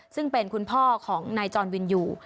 ซึ่งเป็นคุณพ่อของนายจรวินอยู่